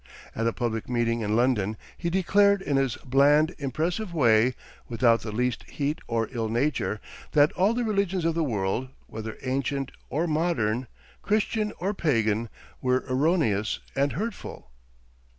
At a public meeting in London he declared in his bland, impressive way, without the least heat or ill nature, that all the religions of the world, whether ancient or modern, Christian or pagan, were erroneous and hurtful.